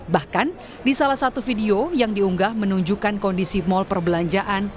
bahkan di salah satu video yang diunggah menunjukkan kondisi mal perbelanjaan